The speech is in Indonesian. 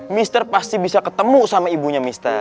mr pasti bisa ketemu sama ibunya mister